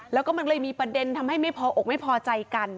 แล้วก็มันเลยมีประเด็นทำให้ไม่พออกไม่พอใจกัน